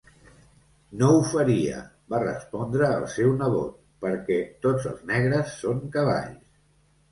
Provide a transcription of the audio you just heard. No ho faria, va respondre el seu nebot, perquè tots els negres són cavalls.